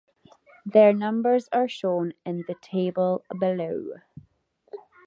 Their numbers are shown in the table below.